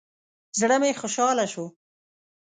زړه مې خوشاله شو.